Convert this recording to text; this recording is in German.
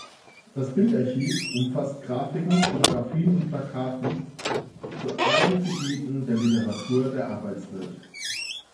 Das Bildarchiv umfasst Grafiken, Fotografien und Plakaten zu allen Gebieten der Literatur der Arbeitswelt.